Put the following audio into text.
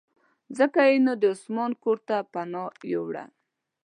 ځکه یې نو د عثمان کورته پناه یووړه.